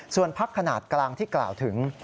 ส่วนพักขนาดกลางที่กล่าวถึง